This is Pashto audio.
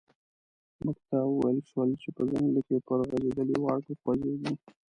موږ ته و ویل شول چې په ځنګله کې پر غزیدلي واټ وخوځیږئ.